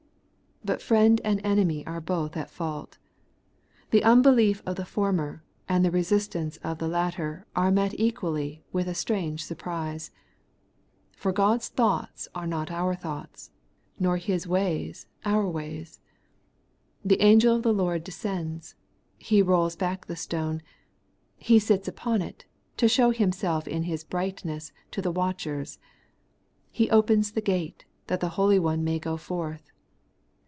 But friend and enemy are both at fault. Tlie unbelief of the former and the resistance of the latter are met equally with a strange surprise. For God's thoughts are not our thoughts, nor His ways our ways. The angel of the Lord descends; he rolls back the stone ; he sits upon it, to show himseK in his brightness to the watchers ; he opens the gate, that the Holy One may go forth.